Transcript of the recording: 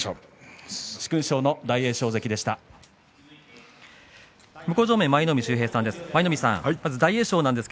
殊勲賞の大栄翔関でした。